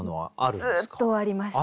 ずっとありました。